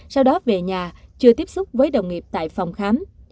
sau đó về nhà chưa tiếp xúc với đồng nghiệp tại phòng khám